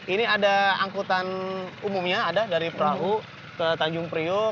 ini ada angkutan umumnya ada dari perahu ke tanjung priok